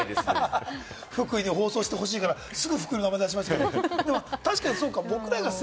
福井で放送してほしいからすぐ福井の名前を出しますけれども。